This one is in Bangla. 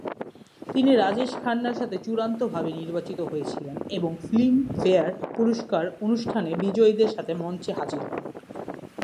তিনি রাজেশ খান্নার সাথে চূড়ান্তভাবে নির্বাচিত হয়েছিলেন এবং ফিল্মফেয়ার পুরস্কার অনুষ্ঠানে বিজয়ীদের সাথে মঞ্চে হাজির হন।